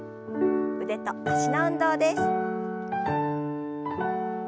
腕と脚の運動です。